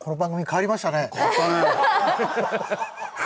変わりましたね。